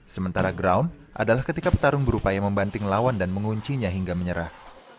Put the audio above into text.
sementara ground adalah ketika petarung berupaya membanting lawan dan menguncinya hingga menyerah